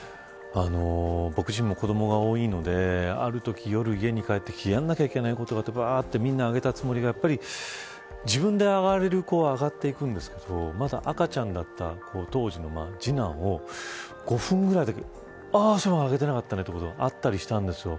僕自身も子どもが多いのであるとき、夜家に帰ってやらなきゃいけないことがみんな、ばってあって自分で上がれる子は上がっていくんですけどまだ赤ちゃんだった当時の次男を５分ぐらいだけ、ああそういえば上げてなかったねということがあったんですよ。